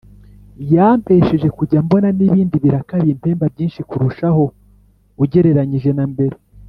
yampesheje kujya mbona n’ibindi biraka bimpemba byinshi kurushaho ugereranyije na mbere